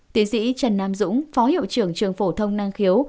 tiến sĩ trần nam dũng phó hiệu trưởng trường phổ thông năng khiếu